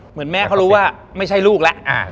เหมือนแม่เขารู้ว่าไม่ใช่ลูกแล้ว